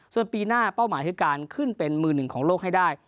ส่วนปีหน้าเป้าหมายคือการขึ้นเป็นมือหนึ่งของโลกให้ได้